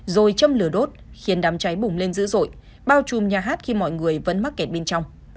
rồi châm lửa đốt khiến đám cháy bùng lên dữ dội bao trùm nhà hát khi mọi người vẫn mắc kẹt bên trong